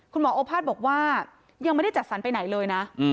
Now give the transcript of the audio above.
โอภาษบอกว่ายังไม่ได้จัดสรรไปไหนเลยนะ